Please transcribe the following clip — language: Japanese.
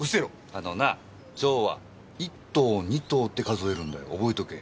あのな蝶は１頭２頭って数えるんだよ覚えとけ。